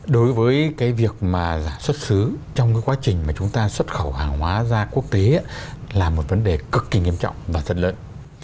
đối với cái việc mà giả xuất xứ trong cái quá trình mà chúng ta xuất khẩu hàng hóa ra quốc tế là một vấn đề cực kỳ nghiêm trọng và rất lớn